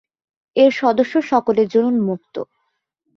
এর সদস্য সকলের জন্যে উন্মুক্ত।